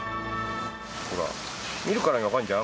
ほら、見るからに分かるじゃん。